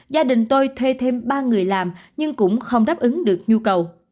gia đình tôi thuê thêm ba người làm nhưng cũng không đáp ứng được nhu cầu